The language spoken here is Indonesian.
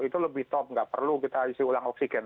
itu lebih top nggak perlu kita isi ulang oksigen